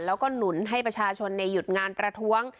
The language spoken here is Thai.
แล้วก็หนุนให้ประชาชนหยุดงานประท้วง